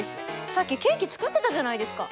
さっきケーキ作ってたじゃないですか。